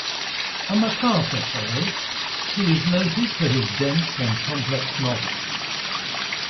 A MacArthur Fellow, he is noted for his dense and complex novels.